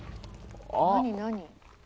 「何？何？」